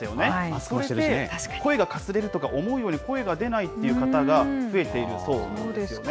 それで、声がかすれるとか、思うように声が出ないっていう方が増えているそうなんですよね。